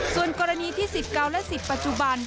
ส่วนกรณีที่สิทธิ์เก่าและสิทธิ์ปัจจุบัน